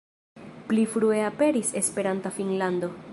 Pli frue aperis "Esperanta Finnlando".